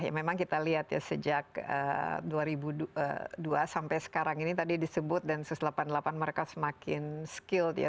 ya memang kita lihat ya sejak dua ribu dua sampai sekarang ini tadi disebut densus delapan puluh delapan mereka semakin skill ya